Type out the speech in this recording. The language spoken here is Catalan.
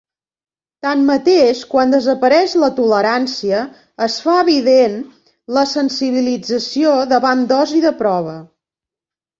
Tanmateix, quan desapareix la tolerància, es fa evident la sensibilització davant dosi de prova.